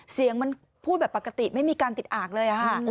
เสียงมันพูดแบบปกติไม่มีการติดอากเลยค่ะ